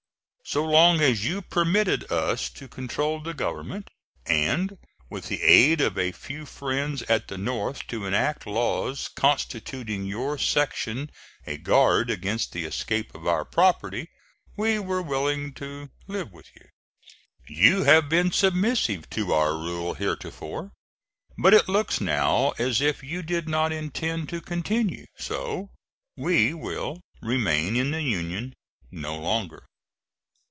So long as you permitted us to control the government, and with the aid of a few friends at the North to enact laws constituting your section a guard against the escape of our property, we were willing to live with you. You have been submissive to our rule heretofore; but it looks now as if you did not intend to continue so, and we will remain in the Union no longer."